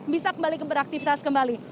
bisa kembali beraktifitas kembali